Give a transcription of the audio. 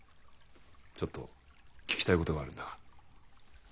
ちょっと聞きたい事があるんだが。